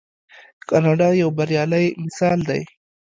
کاناډا یو بریالی مثال دی.